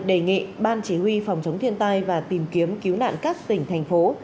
đề nghị ban chỉ huy phòng chống thiên tai và tìm kiếm cứu nạn các tỉnh thành phố